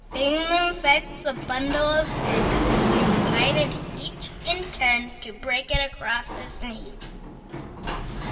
Bidding them fetch a bundle of sticks, he invited each in turn to break it across his knee.